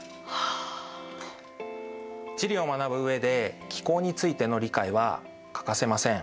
地理を学ぶ上で気候についての理解は欠かせません。